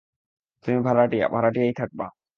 তুমি ভাড়াটিয়া, ভাড়াটিয়াই থাকবা।